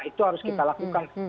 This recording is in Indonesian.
itu harus kita lakukan